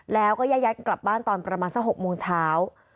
แล้วก็แยกกลับบ้านตอนประมาณสัก๖โมงเช้า